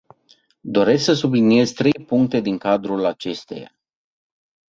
Doresc să subliniez trei puncte din cadrul acesteia.